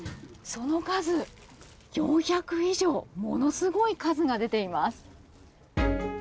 その数、４００以上ものすごい数が出ています。